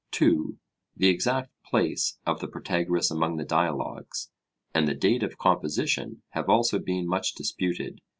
(2) The exact place of the Protagoras among the Dialogues, and the date of composition, have also been much disputed.